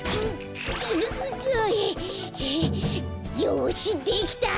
よしできた！